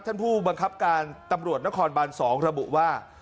ท่านผู้บังคับการตำรวจนครบาน๒ระบุว่า